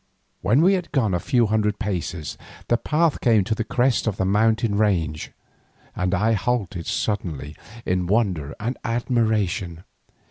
When we had gone a few hundred paces the path came to the crest of the mountain range, and I halted suddenly in wonder and admiration.